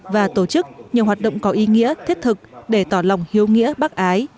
và tổ chức nhiều hoạt động có ý nghĩa thiết thực để tỏ lòng hiếu nghĩa bác ái